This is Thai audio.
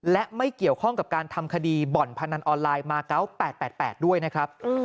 และไม่เกี่ยวข้องกับการทำคดีบ่อนพนันออนไลน์มาเกาะ๘๘ด้วยนะครับ